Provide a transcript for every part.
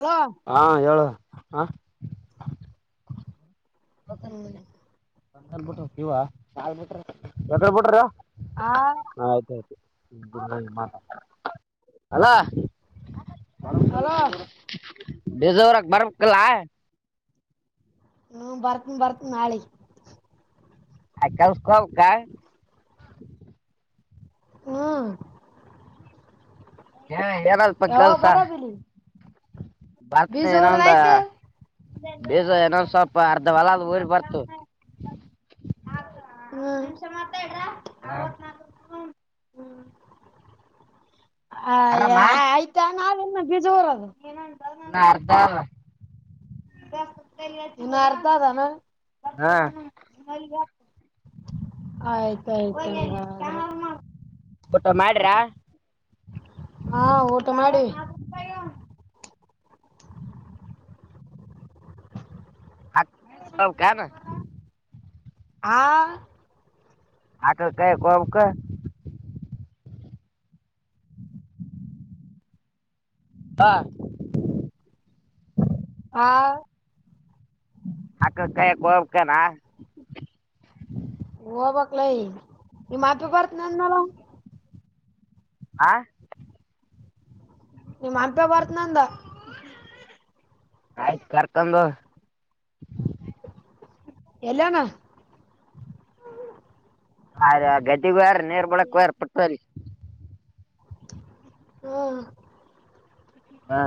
Hello ಹಾ ಹೇಳ ಹ ಮಗಕ್ಕೆಲ್ಲ ನನ್ ಬಿಟ್ಟು ಹೋಗ್ತೇವಾ ಸಲ್ ಬಿಟ್ರಾ ಎದುರಬಿಟ್ರಾ ಆ ಆಯ್ತ ಆಯ್ತು ಮಾತ ಅಲ್ಲ ಹಲೋ ಬೇಜಾರಾದಾಗ ಬರ್ಬೇಕಲ್ಲ ಹ್ಮ ಬರ್ತ್ನಿ ಬರ್ತ್ನಿ ನಾಳಿಗೆ ಆಯ್ ಕೆಲಸಕ್ಕೆ ಹೋಗ್ಬೇಕಾ ಹ ಹ್ಮ್ ಏನಲ್ಪ ಯಾವಾಗ ಬರೋದು ಇಲ್ಲಿಗೆ ಬರ್ತನ ಇನ್ ಒಂದ ಬೇಜ ಏನೋ ಸ್ವಲ್ಪ ಅರ್ಧ ಹೊಲ ಊರಿ ಬರ್ತೆವೆ ಆಯ್ತು ನಿಮ್ಮ ಸಂಬಂಧ ಆರಾಮ್ ಹ್ಮ್ ಆ ಆರಾಮ ಆಯ್ತಾ ನಾವೆನ್ನು ಮಳೆ ಜೋರದ ಇನ್ನ ಅರ್ಧ ಅದ ಇನ್ನು ಅರ್ಧ ಅದನ್ನ ಹಾ ಬರ್ತಾ ಇದ್ದೇನೆ ಆಯ್ತ ಆಯ್ತು ಊಟ ಮಾಡ್ರ ಏಗಾದ್ರೂ [unintelligible] ಹಾ ಊಟ ಮಾಡಿ ಕಯ ಹತ್ ಕನ್ ಹ ಆಕ ಕಾಯ ಗೊಬಕ ತಾ ಹಾ ಅಕ್ಕ ಕಾಯಕ್ ಗೋವ್ಕಾನ ಹೋಗಬಕ್ ಲೇ ನಿ ಮತ್ ಬರ್ತೀನ್ ಅನಲ್ಲ ಆ ನಿಮ್ಮ ಅಂತ ಬರತ್ತೀನಿ ಅಂದ ಆಯ್ತು ಕರ್ಕೊಂಡ್ ಹೋಗ್ ಎಲ್ಲಿ ಅವನೊ ಅ ಗದಿಗ್ ವಾರ ನೀರ್ ಬೂಡಕ್ ಹೊರ್ ಪಟ್ವ್ರರಿ ಹ್ಮ್ ಹಾ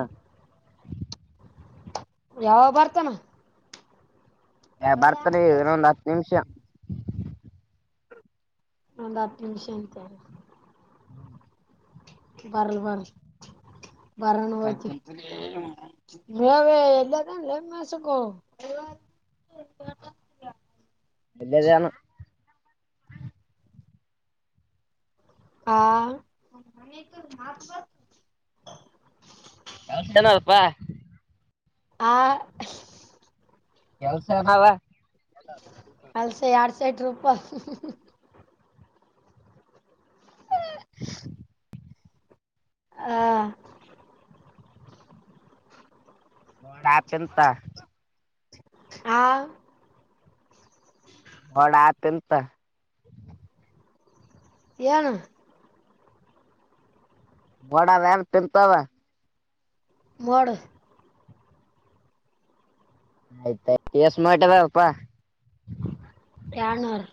ಯಾವಗ್ ಬರ್ತಾನ ಏ ಬರ್ತಾನೆ ಇನ್ನೊಂದ್ ಹತ್ತು ನಿಮಿಷ ಒಂದ್ ಹತ್ತು ನಿಮಿಷ ಅಂತೆ ಬರಲ್ಲಿ ಬರಲ್ಲಿ ಬರೋಣ ಓಕೆ ಮೇವು ಎಲ್ಲಾನೂ ಮೇವು ಮೇಸೋಕೋ ಹ ಎದ್ದಾಗನೂ ಆ ಯಾವ ಜನಪ್ಪ ಆ ಕೆಲ್ಸನಾವ ತಟ್ ರೂಪ [unintelligible] ಆ ನೋಡ ಆತಂತ ಹ ನೋಡು ಆತ್ಯಾಂತ ಏನು ಬಡ ಅವಯವ್ ತಿಂತವೆ ನೋಡು ಆಯ್ತ್ ಕೆಸ್ ಮಾಡಟ ಬಪ್ಪ ಯವನರ್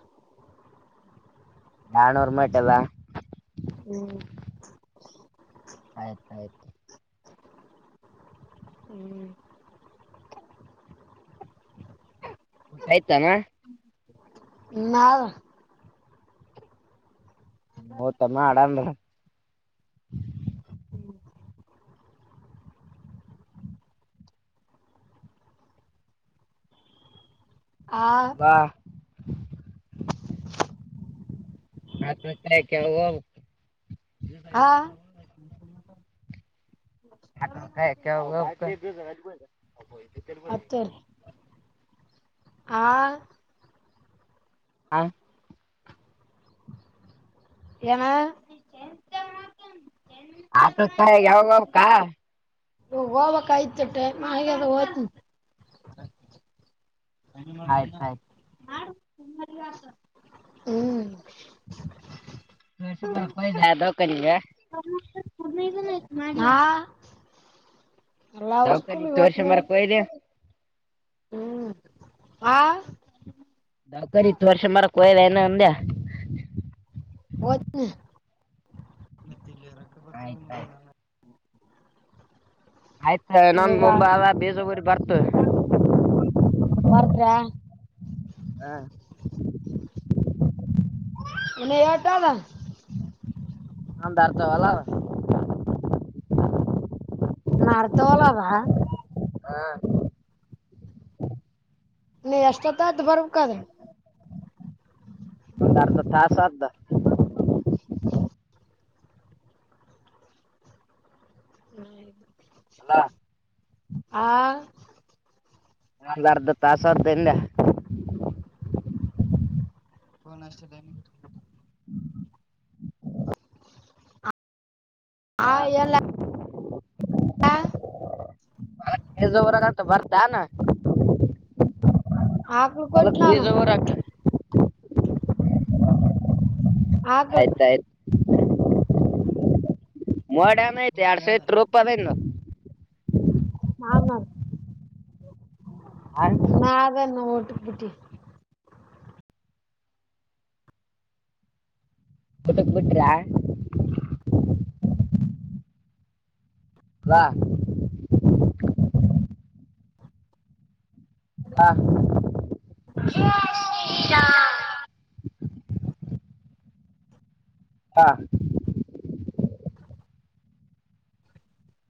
ನಾನು ರೂಮೆಟಲ್ಲಾ ಹ್ಮ್ ಆಯ್ತ ಆಯ್ತು ಹ್ಮ್ [unintelligible] ಊಟ ಆಯ್ತಮ್ಮೆ ನಾವ್ ಓತಮ್ಮ ಆಡಾಮ್ರೆ ಹ್ಮ್ ಆ [unintelligible] ಹಾತ ಕಾಯ ಕೆ [unintelligible] [unintelligible] ಹಾ [unintelligible] ಹತ್ತೂರಿ [unintelligible] ಆ ಹಾ ಏನಾ [unintelligible] [unintelligible] ಹೋಗಬೇಕಾಗಿತ್ತು ಟೈಮ್ ಆಗದ ಹೋಗ್ತೀನಿ ಆಯ್ತಾಯ್ತು [unintelligible] ಹ್ಮ್ [unintelligible] [unintelligible] ಆ [unintelligible] ಎಲ್ಲ ದವಕಾನಿ ಔಷಧಿ ಇವತ್ತು ತೋರ್ಷ ನೋಡಿ ಬರಕ್ ಹೋಗಿದ್ದ ಹ್ಮ್ ಆ ದವಾಖಾನೆಗೆ ತೋರ್ಸ್ಕೊಂಡು ಬರಕ್ಕೆ ಹೋಗಿದ್ದೆ ಏನೋ ಅಂದೆ ಹೋಯ್ತಿನಿ ಆಯ್ತಾಯ್ತು ಆಯ್ತ ನಮ್ ಇವೇಗ ಮುಂಬಾದ ಬೀಜ ಊರಿ ಬರ್ತು [unintelligible] ಬರ್ತ್್ರಾ [unintelligible] [unintelligible] ನಂದ್ ಅರ್ಧ ಹೊಲ ನ ಅರ್ಧ [unintelligible] [unintelligible] ಹಾ ನೀ ಎಷ್ಟೊತ್ತತ್ ಬರ್ಬೇಕದ್ರ ಒಂದರ್ಧ ತಾಸು ಆಯ್ತದ ಹ್ಮ ಅಲ್ಲ ಹಾ ಒಂದು ಅರ್ಧ ತಾಸ ಆಯ್ತದಾ ಅಂದ್ಯ ಕನ್ ಅಷ್ಟಲ್ಲನ [unintelligible] ಹ ಎಲ್ಲ ಹಾ ರಂತ [unintelligible] ಬರ್ತಾನ ಆಕ್ಳು [unintelligible] ಅಲ ಕೊಟ್ಟು ಬೀಜ ನಾನು ಊರಾಕ ಆಗ್ಲಿ ಆಯ್ತ ಆಯ್ತ ಮೋಡ ಆಐ್ತೆ ಎರಡ್ಸ ಇತ್ತು [unintelligible] [unintelligible] ಆಮ ಇನ್ನ ಆದ ನೋಡಿ ಗಟ್ಟ [unintelligible] ಊಟಕ್ ಬಿಟ್ರ ಹಅವ್ವ ಹಾ [unintelligible] [unintelligible] ಹಾ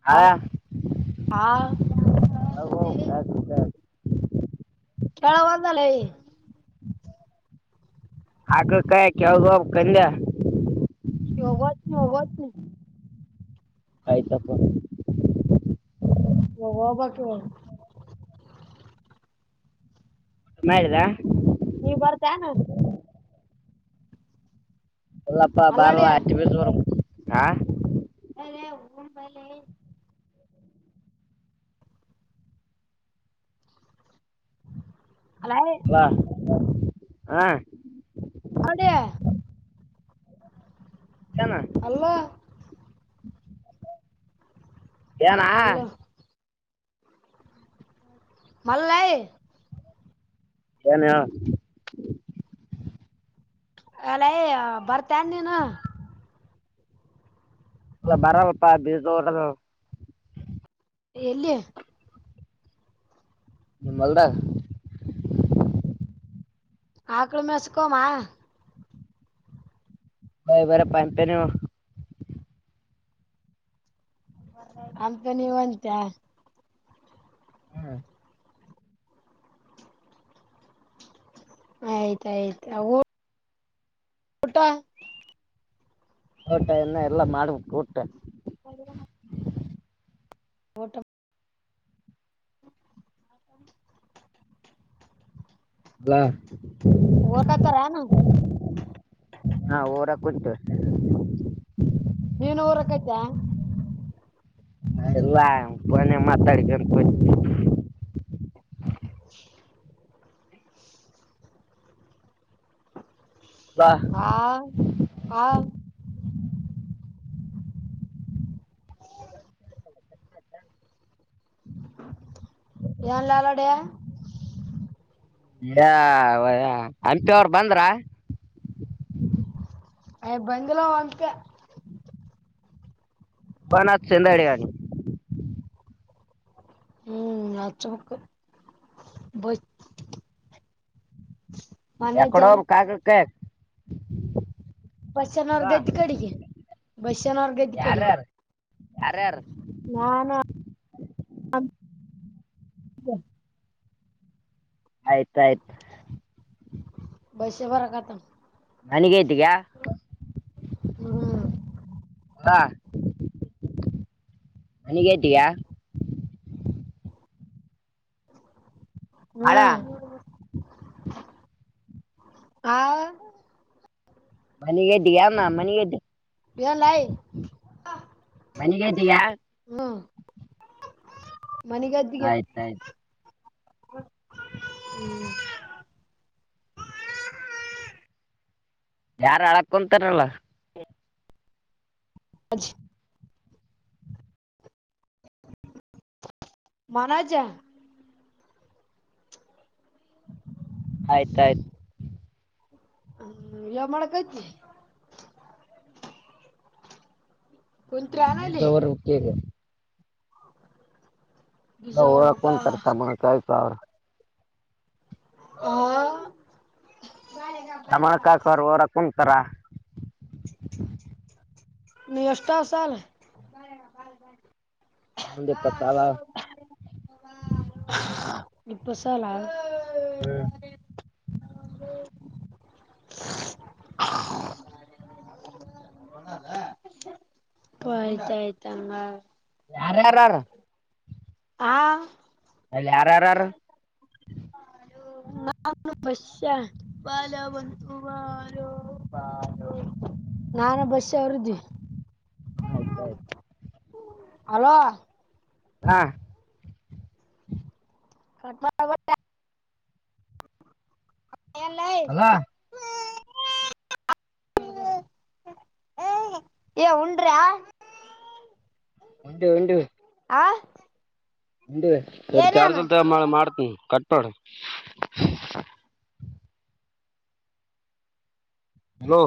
ಹಳ ಹ ಹಾ ಹ ಹತ [unintelligible] [unintelligible] ಕೇಳವಲ್ಲದಲೇ ಆಕ ಕಾಯ ಕೆೇಳಬ [unintelligible] ಇವಾಗ್ ಹೋಗತ್ನೀ ಹೋಗತ್ನೀ ಆಯ್ತಪ್ಪ ಇವಾಗ ಹೋಗ್ಬೇಕು ಇವಾಗ ಟು [unintelligible] ಮಾಡಿದಾ ನೀವ ಬರ್ತಾ ಏನು ಎಲ್ಲಪ್ಪ ಬಾರ ಅಲ್ಲಡಿ ಅಚ್ಚಿ [unintelligible] ಹಂಬಲೆೇ [unintelligible] [unintelligible] ಅಲ್ಲೇ ಅಾ ಆಾ ಅದ ಏನ ಅಲ್ಲ ಏನಾ ಅಲ್ಲ ಮಲ್ಲೈ ಏನಯ ಅಲ್ಲಯ ಬರ್ತನ್ ನೀನು ಬರಲ್ಲಪ್ಪಾ ಬೀದೋರ ಎಲ್ಲಿಯ ನಿ ಮಲ್ದ [unintelligible] ಆಾಕಳ ಮಸಕೋಾಮ ಹ ಬರ ಪಂಪನ [unintelligible] ಅಂತ ನೀವ ಅಂತ ಹ್ಮ ಆಯ್ತಾಯ್ತ ಊಟ ಊಟ ಇನ್ನ ಎಲ್ಲಾ ಮಾಡ್ಬು ಊಟ್ಟ ಸರಿಣ [unintelligible] ಓಟಮ [unintelligible] [unintelligible] [inaudible] ಓತ ರನು ಒಟ್ಟು [inaudible] ನೀವನ್ ಊರಕೈತಾ ಹ ಆ ಪನೆ ಮಾತಾಡಿ ಕೊ [unintelligible] ಹಾ ಹಾ ನ್ ಲಾಲೋಡ [inaudible] ಹಂಪಿ ಅವ್ರ ಬಂದ್ರ [unintelligible] ಬಂದಲಾ ಅಂಪ [unintelligible] ಒನ್ತ್ ಚಂದಡಿಗ [unintelligible] ಹ್ಮ್ ಅಚ್ಚಮಕ್ಕ ಬ [inaudible] ಎಕಡೋ ಕಾಾಗ ಕಕ್ ಬಸನವರ್ಗದ್ದ ಕಡಿ ಬಸನವರ್ಗದ್ದ ಕಡಿ ಯಾರ ಯಾರು ಹ [inaudible] ಆಯ್ತಾಯ್ತು ಬರ ಕತ್ತ [unintelligible] ನನಗೆ ಐತಗ್ಯಾ [unintelligible] ಹ್ಮ್ ಅಲ್ಲಾ ಮನಗೇಟಗಾ [unintelligible] ಹ್ಮ ಬಾಳ ಹಾ ಗೆಡ್ಿಯ ಮಾಾಮನಿಗೆಗೆ್ದಿ ಏನ್ಲಾಯ್ [unintelligible] ಬನ್ನಗತೀ ಯ [unintelligible] ಮನೆಗದ್ದಿಗೆ [unintelligible] ಹ್ [inaudible] ಯಾರ ಅಳಕೊಂತಾರಲ್ಲ ಅ [inaudible] ಮನೋಜ ಆಯ್ತಾಯ್ತು ಹ್ಮ ಯಾವ ಮಾಡಳಕೈತಿ [unintelligible] ಅಲ್ಲಿ ನಿಜೂರ [unintelligible] [inaudible] ಬೀಜ ಹೊರ್ಬೇಕ [inaudible] ಅವ್ರ ಹ [unintelligible] ರಮಳ ಕಾಕವರ ಕುಂಂತರ [unintelligible] ನಿ [unintelligible] ಅಷ್ಟಷ್ಟ ಸಾಲ ಒಂದ ಇಪ್ಪಾತಾವ ಸಾಲ- ಇಪ್ಪತ ಸಾಲ - [unintelligible] [inaudible] ಹಯ ಯತಮ್ಮ ಯಾರ್ಯಾರ ಹಾ, ಅಲ್ಲ ಯಾರ -ಯಾರ ಆರಾ ಹ [inaudible] ಬ್ಯಾಶ ಬಾಲ ಬಂತು ಬಾಲೋ ಬಾಲೋ [unintelligible] ನಾನು ಬಸ್ಸಾ ಅವರುದ್ವಿ. ಆಯ್ತಾಯ್ತು. ಅಲೋ, ಹಾ, ಕಟ್ ಬ [unintelligible] ಆಲ್ಲ ಅಲ್ಲ [inaudible] [unintelligible] ಹ್ಮ, ಏ ಉಂಡ್ರಾ ಉಂಡಿವಿ, ಉಂಡವಿ ಆ [unintelligible] ಸರಿ, ಏನೇನು ಚಾರ್ಜಿಲ್ ತಗಮಾಡ್ತನಿ ಕಟ್ಮಾಡು. ಹಲೋ,